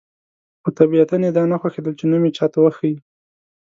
خو طبیعتاً یې دا نه خوښېدل چې نوم دې چاته وښيي.